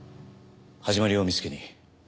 始まりを見つけに。